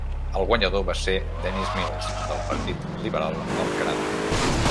El guanyador va ser Dennis Mills, del Partit Liberal del Canadà.